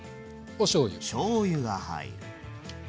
こしょうが入る。